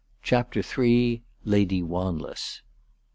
CHAPTER III. LADY WANLESS.